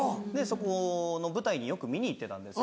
そこの舞台によく見に行ってたんです。